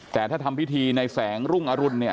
แต่ถ้าทำพิธีในแสงรุ่งอรุณเนี่ย